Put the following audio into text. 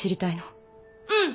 うん。